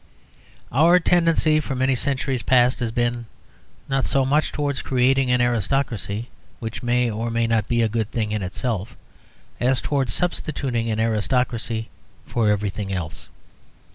Our tendency for many centuries past has been, not so much towards creating an aristocracy (which may or may not be a good thing in itself), as towards substituting an aristocracy for everything else.